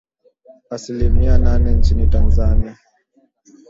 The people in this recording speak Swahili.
Asilimia nane nchini Tanzania